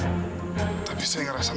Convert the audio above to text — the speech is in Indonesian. tapi saya ngerasa masih ada yang aneh aja mas